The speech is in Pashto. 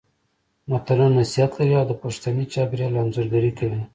متلونه نصيحت لري او د پښتني چاپېریال انځورګري کوي